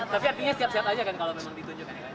tapi artinya setiap saat aja kan kalau memang ditunjukkan ya